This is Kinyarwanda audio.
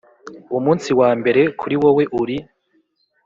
umunsi wambere kuri wowe uri